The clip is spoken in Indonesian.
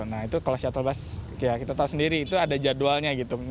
nah itu kalau shuttle bus ya kita tahu sendiri itu ada jadwalnya gitu